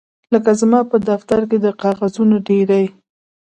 لکه زما په دفتر کې د کاغذونو ډیرۍ